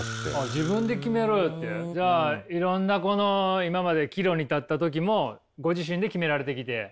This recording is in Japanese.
じゃあいろんなこの今まで岐路に立った時もご自身で決められてきて。